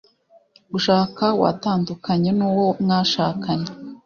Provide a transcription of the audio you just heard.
gushaka watandukanye nu wo mwashakanye